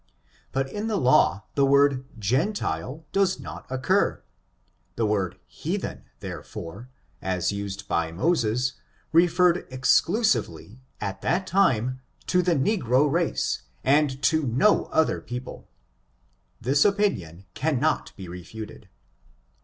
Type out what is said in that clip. But in the laio the word gentile does not occur. The word heathen^ therefore, as used by Moses, referred exclusively at that time to the negro race, and to no other people: this opinion cannot be refuted.